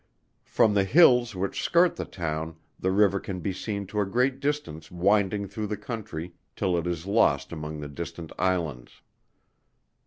From the hills which skirt the town the river can be seen to a great distance winding through the country, till it is lost among the distant Islands.